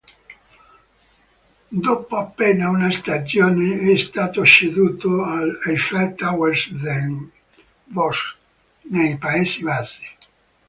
Dopo appena una stagione, è stato ceduto all'Eiffel Towers Den Bosch, nei Paesi Bassi.